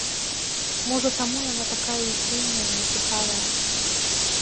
Можа, таму яна такая і сумная, нецікавая.